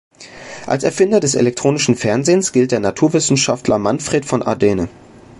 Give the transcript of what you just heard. Als Erfinder des elektronischen Fernsehens gilt der Naturwissenschaftler Manfred von Ardenne.